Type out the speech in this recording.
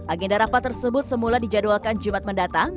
agenda rapat tersebut semula dijadwalkan jumat mendatang